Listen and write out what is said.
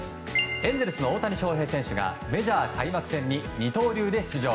エンゼルスの大谷翔平選手がメジャー開幕戦に二刀流で出場。